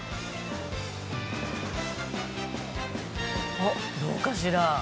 おっどうかしら？